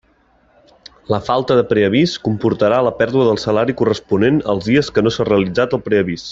La falta de preavís comportarà la pèrdua del salari corresponent als dies que no s'ha realitzat el preavís.